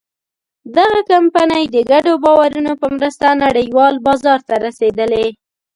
دغه کمپنۍ د ګډو باورونو په مرسته نړۍوال بازار ته رسېدلې.